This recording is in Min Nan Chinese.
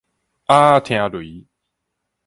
鴨仔聽雷